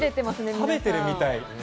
食べてるみたい。